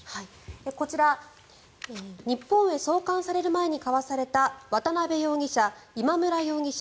こちら日本へ送還される前に交わされた渡邉容疑者、今村容疑者